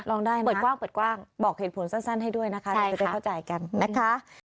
ลองได้นะเปิดกว้างบอกเหตุผลสั้นให้ด้วยนะคะจะเข้าใจกันนะคะ